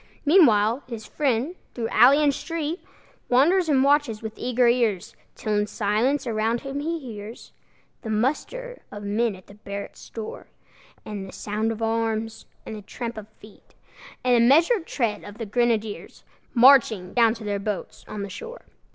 Meanwhile, his friend, through alley and street, Wanders and watches with eager ears, Till in the silence around him he hears The muster of men at the barrack door, The sound of arms, and the tramp of feet, And the measured tread of the grenadiers, Marching down to their boats on the shore.